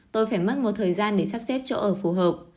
tôi phải mất một thời gian để sắp xếp chỗ ở phù hợp